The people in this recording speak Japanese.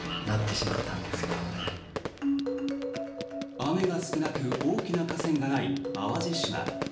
雨が少なく、大きな河川がない淡路島。